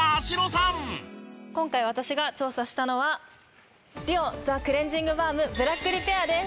今回私が調査したのはＤＵＯザクレンジングバームブラックリペアです。